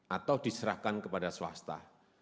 atau diserahkan kepada swasta